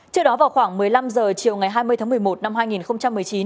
trước đó vào khoảng một mươi năm h chiều ngày hai mươi tháng một mươi một năm hai nghìn một mươi chín